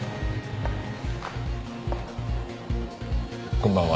こんばんは。